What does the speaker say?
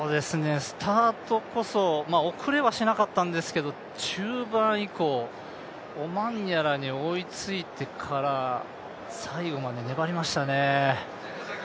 スタートこそ遅れはしなかったんですけど、中盤以降、オマンヤラに追いついてから最後まで粘りましたね。